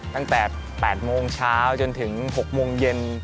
ตั้งแต่๘โมงเช้าจนถึง๖โมงเย็น